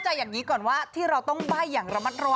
แต่ไม่ได้ครึ่งมาครึ่งนี้